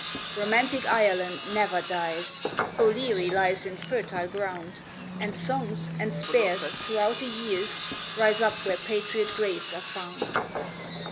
Romantic Ireland never dies! O'Leary lies in fertile ground, And songs and spears throughout the years Rise up where patriot graves are found.